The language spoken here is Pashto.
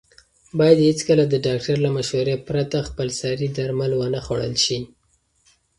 باید هېڅکله د ډاکټر له مشورې پرته خپلسري درمل ونه خوړل شي.